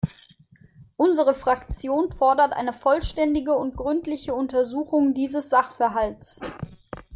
Unsere Fraktion fordert eine vollständige und gründliche Untersuchung dieses Sachverhalts.